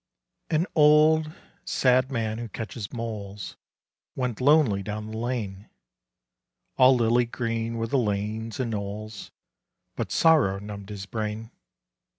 AN old, sad man who catches moles Went lonely down the lane — All lily green were the lanes and knolls, But sorrow numbed his brain.